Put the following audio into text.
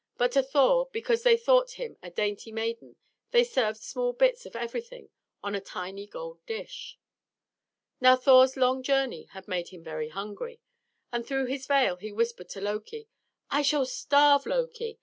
But to Thor, because they thought him a dainty maiden, they served small bits of everything on a tiny gold dish. Now Thor's long journey had made him very hungry, and through his veil he whispered to Loki, "I shall starve, Loki!